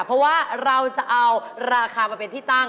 เพราะว่าเราจะเอาราคามาเป็นที่ตั้ง